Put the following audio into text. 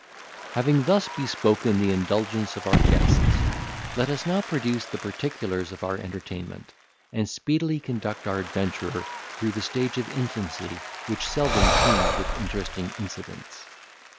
Having thus bespoken the indulgence of our guests, let us now produce the particulars of our entertainment, and speedily conduct our adventurer through the stage of infancy, which seldom teems with interesting incidents.